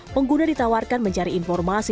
pengguna ditawarkan mencari informasi